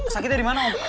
sakitnya dimana om